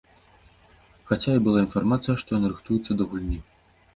Хаця і была інфармацыя, што ён рыхтуецца да гульні.